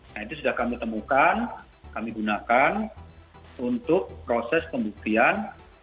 nah itu sudah kami temukan kami gunakan untuk proses pembuktian